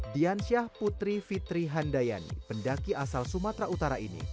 diansyah putri fitri handayani pendaki asal sumatera utara ini